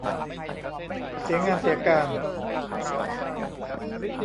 เสียงานเสียการ